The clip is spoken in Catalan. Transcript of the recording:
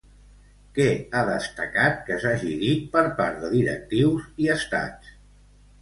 Què ha destacat que s'hagi dit per part de directius i estats?